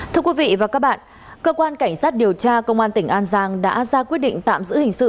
thưa quý vị và các bạn cơ quan cảnh sát điều tra công an tỉnh an giang đã ra quyết định tạm giữ hình sự